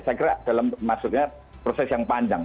saya kira dalam maksudnya proses yang panjang